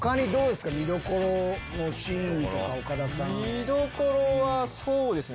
見どころはそうですね